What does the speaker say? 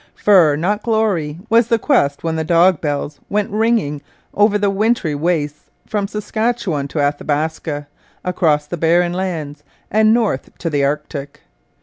Fur, not glory, was the quest when the dog bells went ringing over the wintry wastes from Saskatchewan to Athabaska, across the Barren Lands, and north to the Arctic.